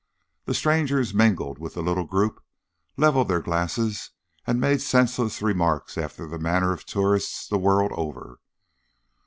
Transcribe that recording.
The strangers mingled with the little group, levelled their glasses, and made senseless remarks after the manner of tourists the world over.